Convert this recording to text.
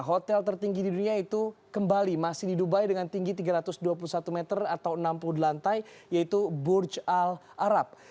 hotel tertinggi di dunia itu kembali masih di dubai dengan tinggi tiga ratus dua puluh satu meter atau enam puluh lantai yaitu burj al arab